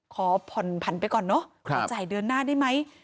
ขอผ่อนผันไปก่อนเนอะขอจ่ายเดือนหน้าได้ไหม